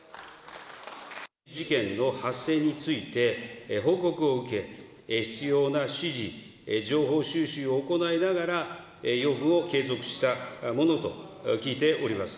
事件の発生について、報告を受け、必要な指示、情報収集を行いながら、要務を継続したものと聞いております。